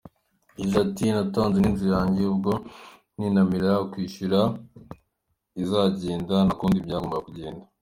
Yagize ati “Natanze n’inzu yanjye, ubwo ninanirwa kwishyura izagenda, nta kundi byagombaga kugenda,.